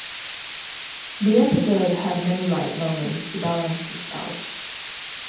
The episode had many light moments to balance this out.